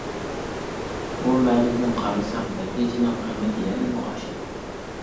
بۇ مەنىدىن قارىساق نەتىجىنىڭ قىممىتى يەنىمۇ ئاشىدۇ.